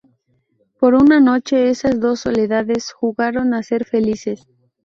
Por una noche, esas dos soledades jugaron a ser felices.